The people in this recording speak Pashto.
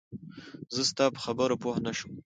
زه ستا په خبره پوهه نه شوم